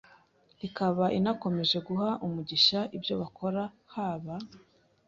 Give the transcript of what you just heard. ikaba inakomeje guha umugisha ibyo bakora, haba